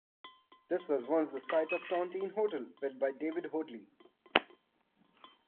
This was once the site of the Tontine Hotel, built by David Hoadley.